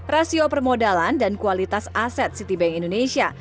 rasio permodalan dan kualitas aset citibank indonesia